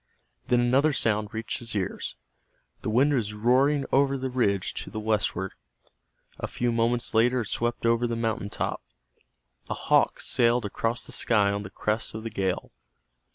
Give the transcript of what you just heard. Then another sound reached his ears. The wind was roaring over the ridge to the westward. A few moments later it swept over the mountain top. A hawk sailed across the sky on the crest of the gale.